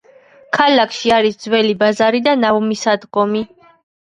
ქალაქში არის ძველი ბაზარი და ნავმისადგომი.